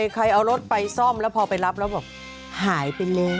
ใครเอารถไปซ่อมแล้วพอไปรับแล้วบอกหายไปเลย